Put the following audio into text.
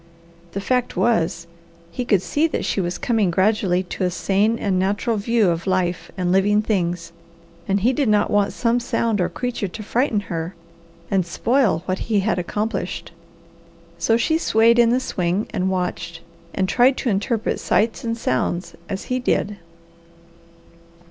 The fact was, he could see that she was coming gradually to a sane and natural view of life and living things, and he did not want some sound or creature to frighten her, and spoil what he had accomplished. So she swayed in the swing and watched, and tried to interpret sights and sounds as he did.